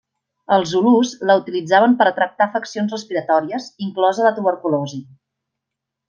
Els Zulús la utilitzaven per a tractar afeccions respiratòries, inclosa la Tuberculosi.